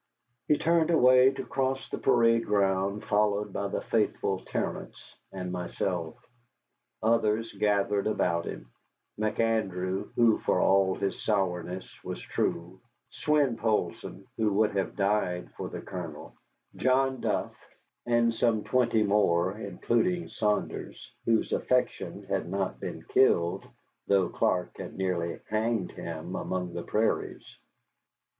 He turned away to cross the parade ground, followed by the faithful Terence and myself. Others gathered about him: McAndrew, who, for all his sourness, was true; Swein Poulsson, who would have died for the Colonel; John Duff, and some twenty more, including Saunders, whose affection had not been killed, though Clark had nearly hanged him among the prairies.